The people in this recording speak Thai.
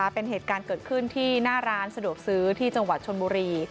เป็นเหตุการณ์เกิดขึ้นที่หน้าร้านสะดวกซื้อที่จังหวัดชนบุรี